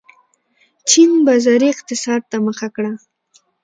چین بازاري اقتصاد ته مخه کړه.